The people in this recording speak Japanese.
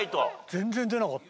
全然出なかった。